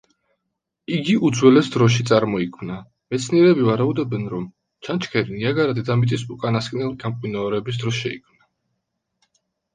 იგი უძველეს დროში წარმოიქმნა, მეცნიერები ვარაუდობენ რომ ჩანჩქერი ნიაგარა დედამიწის უკანასკნელ გამყინვარების დროს შეიქმნა.